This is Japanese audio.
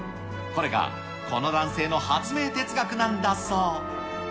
これがこの男性の発明哲学なんだそう。